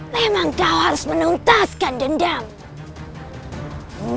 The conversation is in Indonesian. memang kau harus menuntaskan dendam